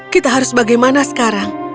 kita harus bagaimana sekarang